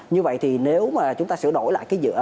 như vậy thì nếu mà chúng ta sửa đổi lại